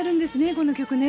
この曲ね。